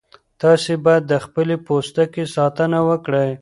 تاسي باید د خپل پوستکي ساتنه وکړئ.